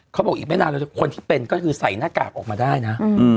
เขาบอกอีกไม่นานเราจะคนที่เป็นก็คือใส่หน้ากากออกมาได้นะ